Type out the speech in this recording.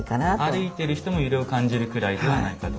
歩いている人も揺れを感じるくらいではないかと。